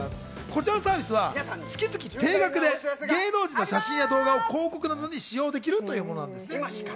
こちらのサービスは月々定額で芸能人の写真や動画を広告などに使用できるというものなんですね。